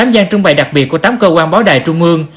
tám gian trưng bày đặc biệt của tám cơ quan báo đài trung ương